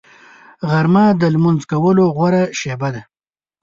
غرمه د لمونځ کولو غوره شېبه ده